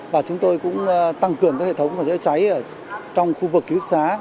và chúng tôi cũng tăng cường các hệ thống phòng chữa cháy trong khu vực ký túc xá